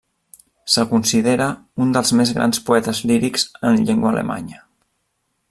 Se'l considera un dels més grans poetes lírics en llengua alemanya.